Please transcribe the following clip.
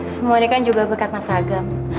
semua ini kan juga berkat mas agam